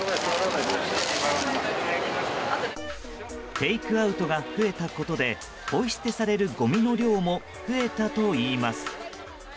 テイクアウトが増えたことでポイ捨てされるごみの量も増えたといいます。